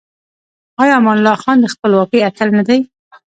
آیا امان الله خان د خپلواکۍ اتل نه دی؟